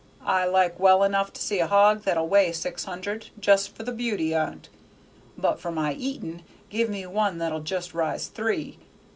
I like well enough to see a hog that'll weigh six hunderd, just for the beauty on't, but for my eatin' give me one that'll just rise three.